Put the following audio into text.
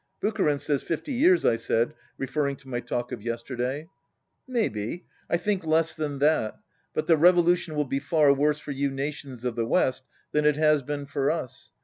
..." "Bucharin says fifty years," I said, referring to my talk of yesterday. "Maybe. I think less than that. But the revolution will be far worse for you nations of the west than it has been for us.